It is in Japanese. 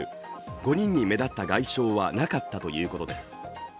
５人に目立った外傷はなかったということです。